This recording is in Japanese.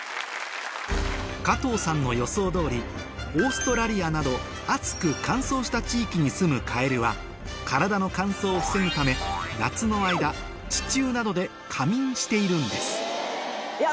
加藤さんの予想通りオーストラリアなど暑く乾燥した地域にすむカエルは体の乾燥を防ぐため夏の間地中などで夏眠しているんです